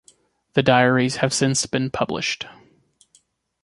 The diaries have since been published.